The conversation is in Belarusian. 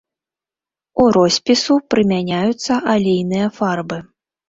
У роспісу прымяняюцца алейныя фарбы.